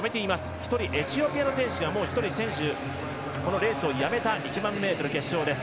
１人、エチオピアの選手がこのレースをやめた１００００ｍ決勝です。